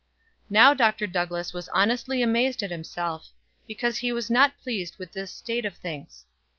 Now Dr. Douglass was honestly amazed at himself, because he was not pleased with this state of things.